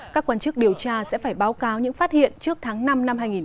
các quan chức điều tra sẽ phải báo cáo những phát hiện trước tháng năm năm hai nghìn hai mươi